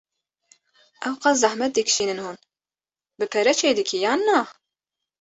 Ewqas zehmet dikşînin hûn bi pere çê dikî yan na?